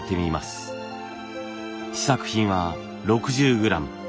試作品は６０グラム。